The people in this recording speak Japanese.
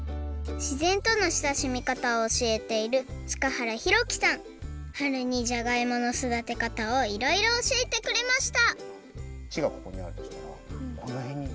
しぜんとのしたしみかたをおしえているはるにじゃがいもの育てかたをいろいろおしえてくれましたつちがここにあるとしたらこのへんに。